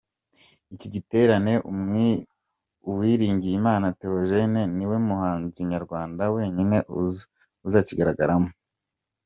Iki giterane ,Uwiringiyimana Theogene, ni we muhanzi nyarwanda wenyine uzakigaragaramo.